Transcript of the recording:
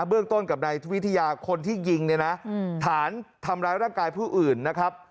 เบื้องต้นกับนายวิทยาคนที่ยิงเนี่ยนะฐานทำร้ายร่างกายผู้อื่นนะครับ